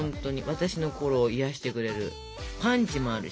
私の心を癒やしてくれるパンチもあるしね。